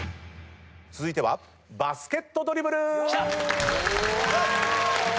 続いてはバスケットドリブル！